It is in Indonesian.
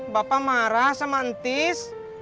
bapak marah sama ntis